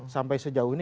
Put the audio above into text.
sampai sejauh ini